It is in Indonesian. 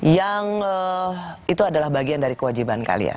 yang itu adalah bagian dari kewajiban kalian